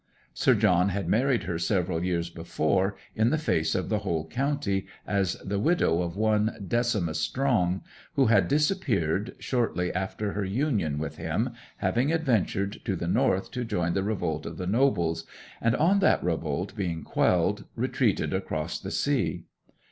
Sir John had married her several years before, in the face of the whole county, as the widow of one Decimus Strong, who had disappeared shortly after her union with him, having adventured to the North to join the revolt of the Nobles, and on that revolt being quelled retreated across the sea.